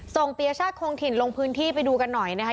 ส่งเตียร์ชาติคงถิ่นลงพื้นที่ไปดูกันหน่อยนะครับ